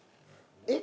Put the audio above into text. えっ？